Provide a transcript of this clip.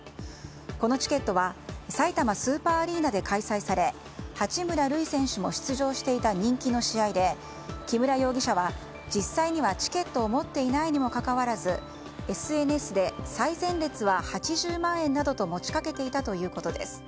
このチケットはさいたまスーパーアリーナで開催され八村塁選手も出場していた人気の試合で木村容疑者は実際にはチケットを持っていないにもかかわらずＳＮＳで最前列は８０万円などと持ちかけていたということです。